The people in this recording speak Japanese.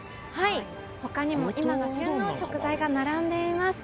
他にも今が旬の食材が並んでいます。